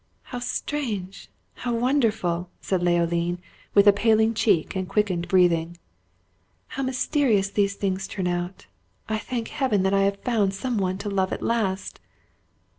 "How strange! How wonderful!" said Leoline, with a paling cheek and quickened breathing. "How mysterious those things turn out I Thank Heaven that I have found some one to love at last!"